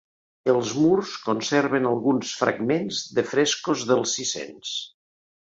Els murs conserven alguns fragments de frescos del sis-cents.